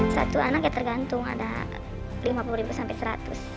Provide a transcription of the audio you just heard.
satu anak ya tergantung ada lima puluh ribu sampai seratus